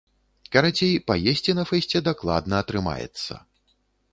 Карацей, паесці на фэсце дакладна атрымаецца.